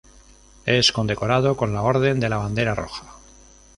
Es condecorado con la Orden de la Bandera Roja.